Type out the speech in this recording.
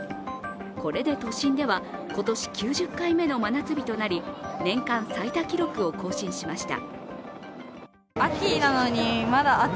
これで都心では今年９０回目の真夏日となり、年間最多記録を更新しました。